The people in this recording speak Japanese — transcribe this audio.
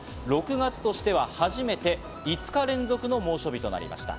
６月としては初めて５日連続の猛暑日となりました。